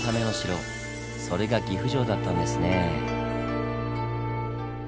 それが岐阜城だったんですねぇ。